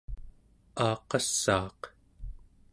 aaqassaaq